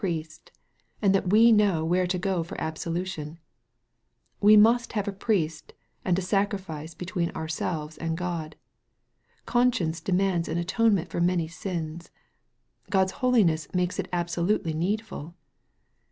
Priest, and that we know where to go for absolution ! We must have a Priest and a sacrifice between ourselves and God. Conscience de mands an atonement for our many sins. God's holiness makes it absolutely needful.